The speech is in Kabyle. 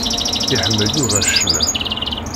Iḥemmel Yuba ccna.